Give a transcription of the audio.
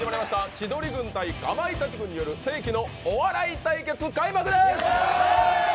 千鳥軍対かまいたち軍による世紀のお笑い対決、開幕です。